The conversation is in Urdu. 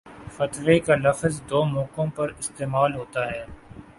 فتوے کا لفظ دو موقعوں پر استعمال ہوتا ہے